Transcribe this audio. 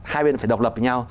hai bên phải độc lập với nhau